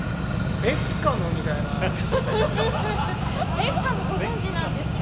ベッカムご存じなんですか？